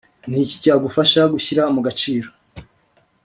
Ni iki cyagufasha gushyira mu gaciro